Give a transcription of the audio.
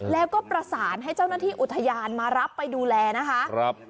แล้วก็ประสานให้เจ้าหน้าที่อุทยานมารับไปดูแลนะคะ